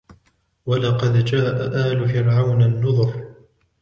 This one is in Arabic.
ولقد جاء آل فرعون النذر